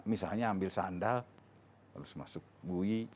misalnya ambil sandal harus masuk bui